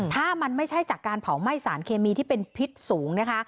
ถ้ามันไม่ใช่จากการเผาไหม้สารเคมีที่เป็นพิษสูงนะคะ